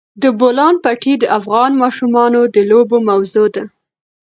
د بولان پټي د افغان ماشومانو د لوبو موضوع ده.